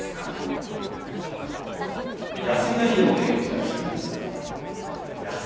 休みの日でも稽古したりするんですか？